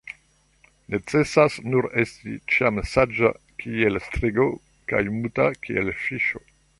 Necesas nur esti ĉiam saĝa kiel strigo kaj muta kiel fiŝo.